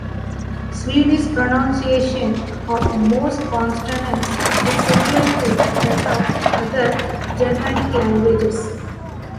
Swedish pronunciation of most consonants is similar to that of other Germanic languages.